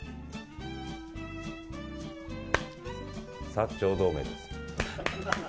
薩長同盟です。